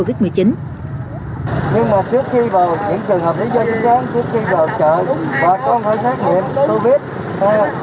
nhưng mà trước khi vào những trường hợp lý do chính xác trước khi vào chợ và có một loại xếp nghiệm covid một mươi chín